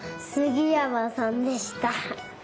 杉山さんでした。